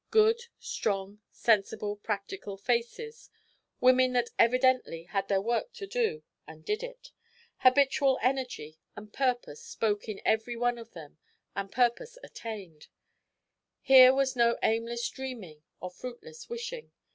Good, strong, sensible, practical faces; women that evidently had their work to do, and did it; habitual energy and purpose spoke in every one of them, and purpose attained. Here was no aimless dreaming or fruitless wishing.